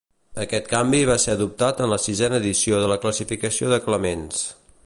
Aquest canvi va ser adoptat en la sisena edició de la classificació de Clements.